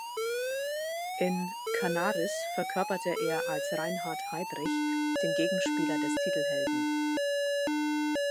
In "Canaris" verkörperte er als Reinhard Heydrich den Gegenspieler des Titelhelden.